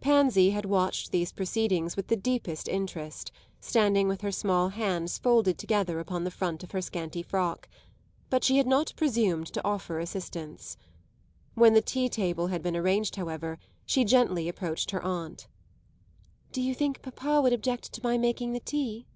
Pansy had watched these proceedings with the deepest interest, standing with her small hands folded together upon the front of her scanty frock; but she had not presumed to offer assistance. When the tea table had been arranged, however, she gently approached her aunt. "Do you think papa would object to my making the tea?"